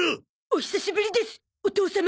お久しぶりですお父様。